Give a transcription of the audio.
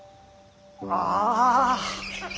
ああ。